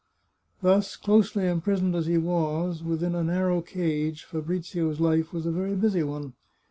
Thus, closely imprisoned as he was, within a narrow cage, Fabrizio's life was a very busy one.